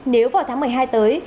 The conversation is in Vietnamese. nếu vào tháng một mươi hai tới